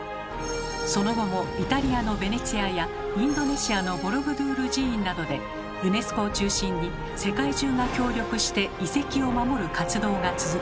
その後もイタリアのベネチアやインドネシアのボロブドゥール寺院などでユネスコを中心に世界中が協力して遺跡を守る活動が続きました。